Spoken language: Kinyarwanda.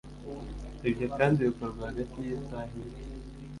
Ibyo kandi bikorwa hagati yisaha imwe